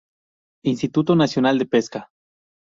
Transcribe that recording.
Instituto Nacional de Pesca.